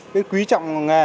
phải quý trọng nghề